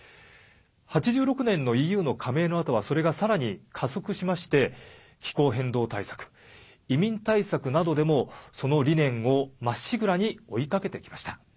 ８６年のＥＵの加盟のあとはそれがさらに加速しまして気候変動対策、移民対策などでもその理念をまっしぐらに追いかけてきました。